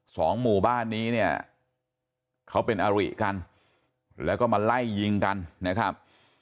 สองหมู่บ้านนี้เนี่ยเขาเป็นอริกันแล้วก็มาไล่ยิงกันนะครับ